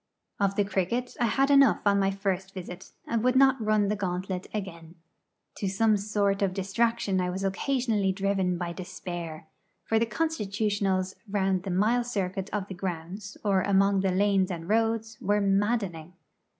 Of the cricket I had enough on my first visit, and would not run the gauntlet again. To some sort of distraction I was occasionally driven by despair; for the constitutionals round the mile circuit of the grounds, or among the lanes and roads, were maddening.